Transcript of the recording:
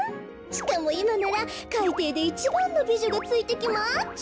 ちかもいまならかいていで１ばんのびじょがついてきまちゅ！